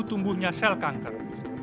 memicu tumbuhnya sel kanker